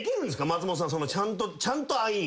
松本さんちゃんとアイン。